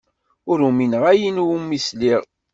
Ur umineɣ ayen iwumi sliɣ.